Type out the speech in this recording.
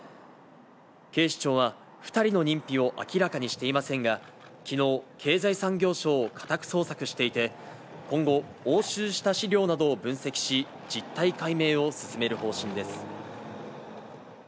警視庁は２人の認否を明らかにしていませんが、きのう、経済産業省を家宅捜索していて、今後、押収した資料などを分析し、実態解明を進める方針です。